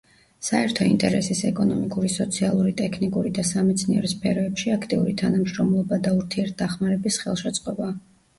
საერთო ინტერესის ეკონომიკური, სოციალური, ტექნიკური და სამეცნიერო სფეროებში აქტიური თანამშრომლობა და ურთიერთდახმარების ხელშეწყობა.